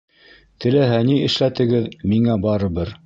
Теләһә ни эшләтегеҙ, миңә барыбер.